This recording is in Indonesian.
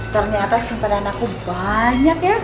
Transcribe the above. ternyata simpanan aku banyak ya